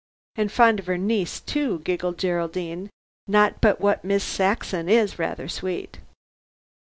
"And fond of her niece, too," giggled Geraldine; "not but what Miss Saxon is rather sweet."